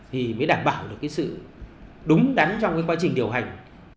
thì mới đảm bảo được cái sự đúng đắn trong cái quá trình điều hành